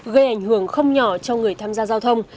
gây ảnh hưởng không nhỏ cho người tham gia giao thông